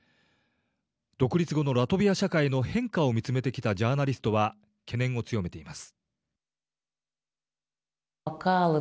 独立後のラトビア社会の変化を見つめてきたジャーナリストは懸念を強めています。